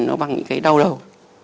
nó bằng những cái đau đầu